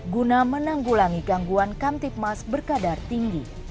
guna menanggulangi gangguan kamtipmas berkadar tinggi